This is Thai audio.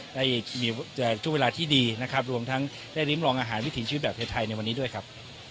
ได้มีช่วงเวลาที่ดีนะครับรวมทั้งได้ริมลองอาหารวิถีชีวิตแบบไทยในวันนี้ด้วยครับ